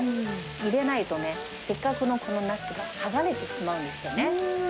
入れないとね、せっかくのこのナッツが剥がれてしまうんですよね。